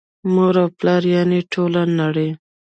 مور او پلار یعني ټوله نړۍ